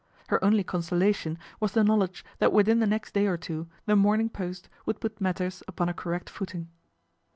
Her only consolation was the knowledge that within the next daji or two The Morning Post would put matters upon a correct footing.